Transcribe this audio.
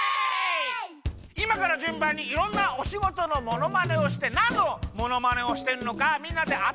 いまからじゅんばんにいろんなおしごとのものまねをしてなんのものまねをしてるのかみんなであてっこするゲームです。